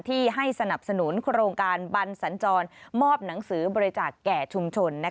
ที่ให้สนับสนุนโครงการบันสัญจรมอบหนังสือบริจาคแก่ชุมชน